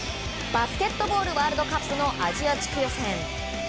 バスケットボールワールドカップアジア地区予選。